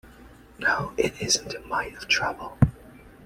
No, it isn’t a mite of trouble.